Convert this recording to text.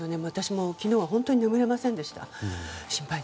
私も昨日は本当に眠れませんでした。